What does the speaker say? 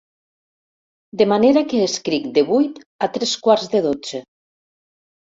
De manera que escric de vuit a tres quarts de dotze.